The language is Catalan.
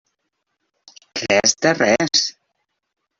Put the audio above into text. Res de res!